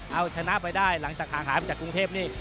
เอาชนะไปได้หลังจากห่างหายไปจากกรุงเทพนี่